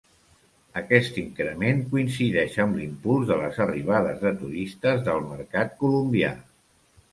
Aquest increment coincideix amb l'impuls de les arribades de turistes del mercat colombià.